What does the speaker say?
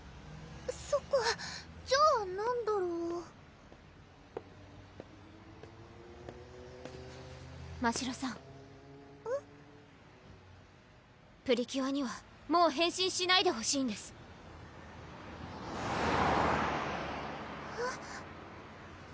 そっかじゃあ何だろうましろさんプリキュアにはもう変身しないでほしいんですえっ？